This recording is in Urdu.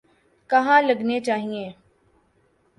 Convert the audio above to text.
کہاں لگنے چاہئیں۔